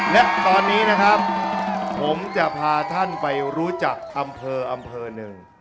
และตอนนี้นะครับผมจะพาท่านไปรู้จักอำเภออำเภอหนึ่ง